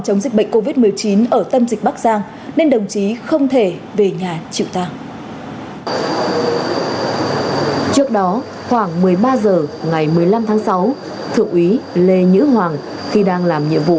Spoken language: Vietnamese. thượng úy lê nhữ hoàng khi đang làm nhiệm vụ